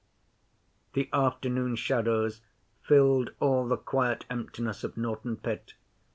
The afternoon shadows filled all the quiet emptiness of Norton Pit.